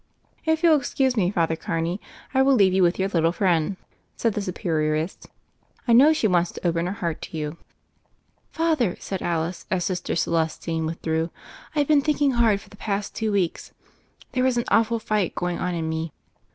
"If you'll excuse me. Father Carney, I will leave you with your little friend," said the Superioress. "I know she wants to open her heart to you." "Father," said Alice, as Sister Celestine with Z86 THE FAIRY OF THE SNOWS 187 drew, ^^IVe been thinking hard for the past two weeks. There was an awful fight going on in me.